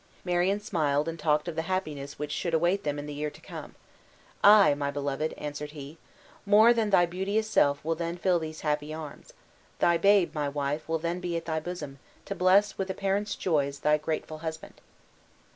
Marion smiled and talked of the happiness which should await them in the year to come. "Ay, my beloved," answered he, "more than thy beauteous self will then fill these happy arms! Thy babe, my wife, will then hand at thy bosom, to bless with a parent's joys thy grateful husband!"